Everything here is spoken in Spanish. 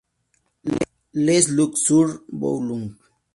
Les Lucs-sur-Boulogne